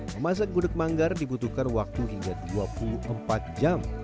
memasak gudeg manggar dibutuhkan waktu hingga dua puluh empat jam